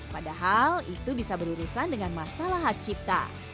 padahal itu bisa berurusan dengan masalah hak cipta